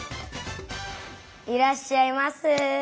いらっしゃいませ！